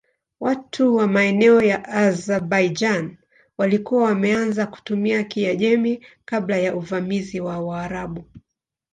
Watu wa maeneo ya Azerbaijan walikuwa wameanza kutumia Kiajemi kabla ya uvamizi wa Waarabu.